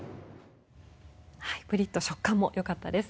プリっと食感もよかったです。